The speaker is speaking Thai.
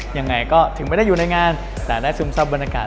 ยังไงก็ถึงไม่ได้อยู่ในงานแต่ได้ซึมซับบรรยากาศ